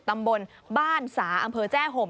ตำบลบ้านสาอำเภอแจ้ห่ม